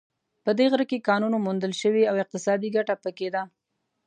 په دې غره کې کانونو موندل شوې او اقتصادي ګټه په کې ده